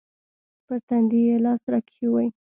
پر تندي يې لاس راکښېښوو.